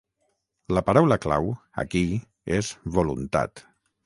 La paraula clau, aquí, és voluntat.